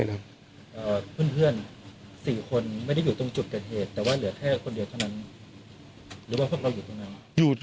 เพื่อน๔คนไม่ได้อยู่ตรงจุดเกิดเหตุแต่ว่าเหลือแค่คนเดียวเท่านั้นหรือว่าพวกเราอยู่ตรงนั้น